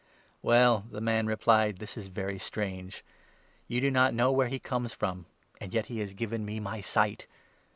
" Well," the man replied, " this is very strange ; you do not 30 know where he comes from, and yet he has given me my sight